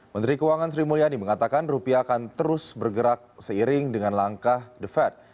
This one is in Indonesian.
menteri keuangan sri mulyani mengatakan rupiah akan terus bergerak seiring dengan langkah the fed